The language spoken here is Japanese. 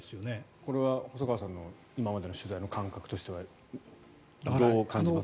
これは細川さんの今までの取材の感覚としてはどう感じますか。